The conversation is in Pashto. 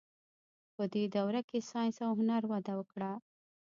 په دې دوره کې ساینس او هنر وده وکړه.